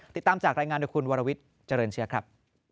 ติดตามจากรายงานโดยคุณวรวิทย์เจริญเชื้อครับ